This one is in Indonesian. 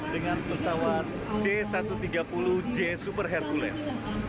dengan pesawat c satu ratus tiga puluh j super hercules